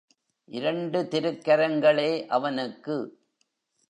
இரண்டு திருக்கரங்களே அவனுக்கு.